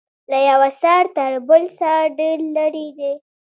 له یوه سر تر بل سر ډیر لرې دی.